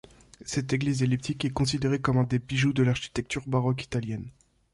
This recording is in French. Cette église elliptique est considérée comme un des bijoux de l'architecture baroque italienne.